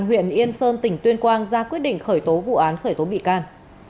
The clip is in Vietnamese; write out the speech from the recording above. huyện yên sơn tỉnh tuyên quang ra quyết định khởi tố vụ án khởi tố bị can